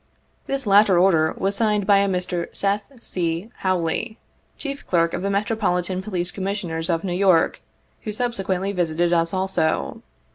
This latter order was signed by a Mr. Seth C. Hawley, chief clerk of the Metropolitan Police Commissioners of New York, who subsequently visited us also.